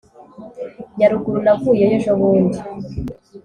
nyaruguru navuyeyo ejo bundi